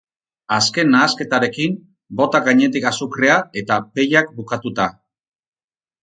Azken nahasketarekin, bota gainetik azukrea eta pellak bukatuta.